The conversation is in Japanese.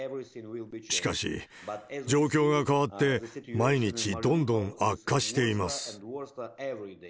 しかし、状況が変わって、毎日どんどん悪化しています。